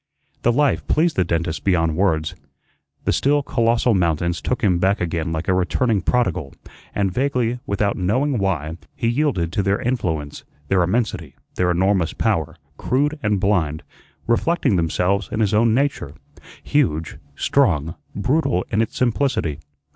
The life pleased the dentist beyond words. The still, colossal mountains took him back again like a returning prodigal, and vaguely, without knowing why, he yielded to their influence their immensity, their enormous power, crude and blind, reflecting themselves in his own nature, huge, strong, brutal in its simplicity.